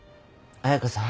彩佳さん。